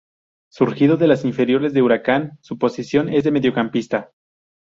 Surgido de las inferiores de Huracán, su posición es de mediocampista.